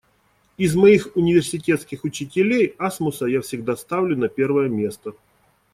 Из моих университетских учителей, Асмуса я всегда ставлю на первое место.